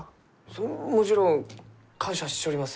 それはもちろん感謝しちょります。